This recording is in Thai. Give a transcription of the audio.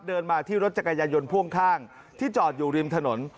เดินมาที่รถจักรยายนต์พ่วงข้างที่จอดอยู่ริมถนน